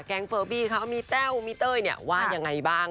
เฟอร์บี้เขามีแต้วมีเต้ยเนี่ยว่ายังไงบ้าง